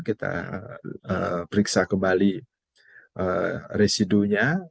kita periksa kembali residunya